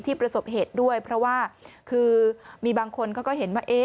ประสบเหตุด้วยเพราะว่าคือมีบางคนเขาก็เห็นว่า